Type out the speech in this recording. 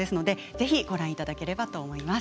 ぜひご覧いただければと思います。